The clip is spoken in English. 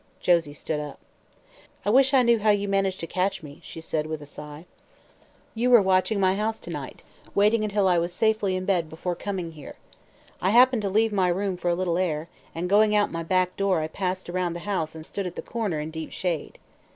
Josie stood up. "I wish I knew how you managed to catch me," she said, with a sigh. "You were watching my house to night, waiting until I was safely in bed before coming here. I happened to leave my room for a little air, and going out my back door I passed around the house and stood at the corner, in deep shade.